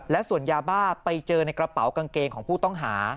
และส่วนยาบ้าไปเจอในกระเป๋ากางเกงของผู้ต้องหา